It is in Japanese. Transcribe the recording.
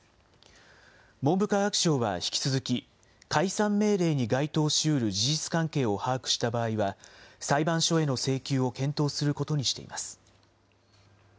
文部科学省は引き続き、解散命令に該当しうる事実関係を把握した場合は、裁判所への請求を検討することにしています。